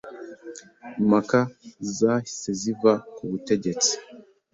Impaka zahise ziva kubutegetsi.